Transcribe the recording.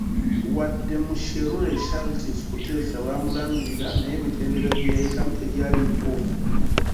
Wadde Musherure Shartis Kuteesa baamulangirira naye emitendera gye yayitamu tegyali mituufu.